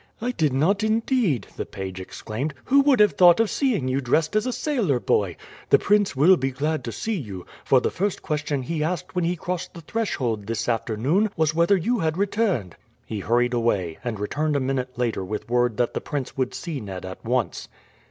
"I did not, indeed!" the page exclaimed. "Who would have thought of seeing you dressed as a sailor boy? The prince will be glad to see you; for the first question he asked when he crossed the threshold this afternoon was whether you had returned." He hurried away, and returned a minute later with word that the prince would see Ned at once.